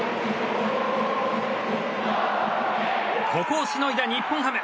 ここをしのいだ日本ハム。